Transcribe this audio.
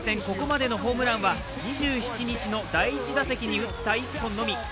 ここまでのホームランは２７日の第１打席に打った１本のみ。